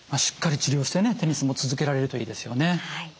しっかり治療してねテニスも続けられるといいですよね。